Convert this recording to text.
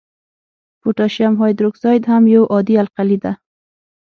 پوتاشیم هایدروکساید هم یو عادي القلي ده.